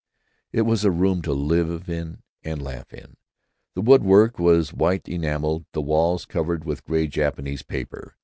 It was a room to live in and laugh in. The wood work was white enameled; the walls covered with gray Japanese paper.